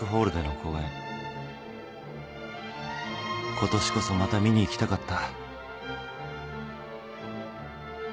今年こそまた見に行きたかった］